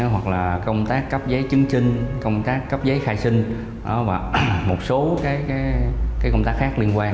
hoặc là công tác cấp giấy chứng trinh công tác cấp giấy khai sinh và một số công tác khác liên quan